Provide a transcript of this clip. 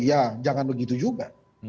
ya jangan begitu juga